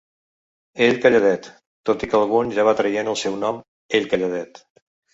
Ell calladet, tot i que algun ja va traient el seu nom, ell calladet.